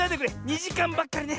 ２じかんばっかりね。